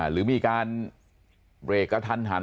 หรือมีการเบรกกระทันหัน